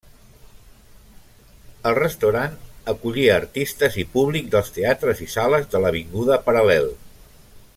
El restaurant acollia artistes i públic dels teatres i sales de l'avinguda Paral·lel.